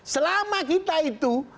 selama kita itu